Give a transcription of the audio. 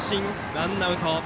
ワンアウト。